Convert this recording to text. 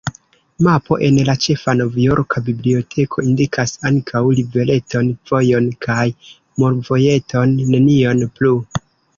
Mapo en la ĉefa novjorka biblioteko indikas ankaŭ rivereton, vojon kaj mulvojeton, nenion plu.